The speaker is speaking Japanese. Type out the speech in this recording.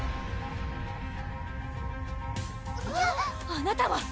あなたは！